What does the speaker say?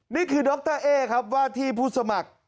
นี่คือดรเอ๊ครับว่าที่ผู้สมัคร